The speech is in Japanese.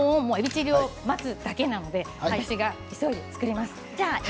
チリを待つだけなので私が急いで作りますね。